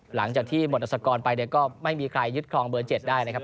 หลังจากที่หมดอัศกรไปเนี่ยก็ไม่มีใครยึดครองเบอร์๗ได้นะครับ